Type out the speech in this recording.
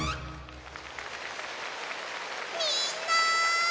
みんな！